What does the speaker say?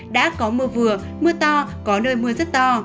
đã có mưa vừa mưa to có nơi mưa rất to